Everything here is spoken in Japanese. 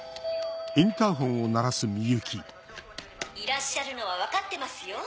いらっしゃるのは分かってますよ。